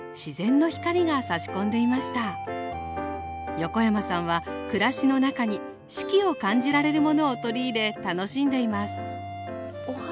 横山さんは暮らしの中に四季を感じられるものを取り入れ楽しんでいますお花。